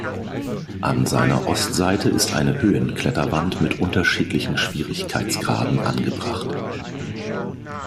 An seiner Ostseite ist eine Höhen-Kletterwand mit unterschiedlichen Schwierigkeitsgraden angebracht.